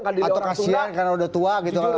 atau kasian karena udah tua gitu